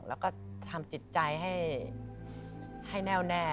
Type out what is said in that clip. แล้วก็ทำจิตใจให้แน่วแน่